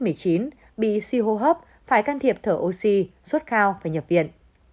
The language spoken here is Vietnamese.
bệnh bị si hô hấp phải can thiệp thở oxy suốt khao và nhập viện